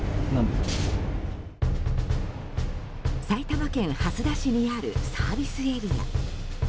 埼玉県蓮田市にあるサービスエリア。